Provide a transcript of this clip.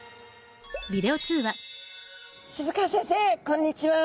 渋川先生こんにちは！